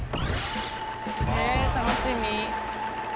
ええ楽しみ！